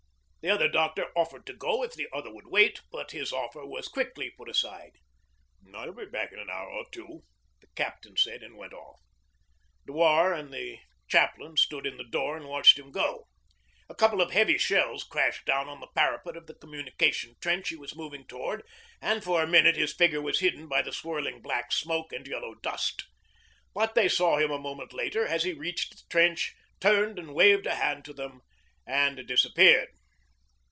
The other doctor offered to go if the other would wait, but his offer was quietly put aside. 'I'll get back in an hour or two,' the captain said, and went off. Dewar and the chaplain stood in the door and watched him go. A couple of heavy shells crashed down on the parapet of the communication trench he was moving towards, and for a minute his figure was hidden by the swirling black smoke and yellow dust. But they saw him a moment later as he reached the trench, turned and waved a hand to them, and disappeared.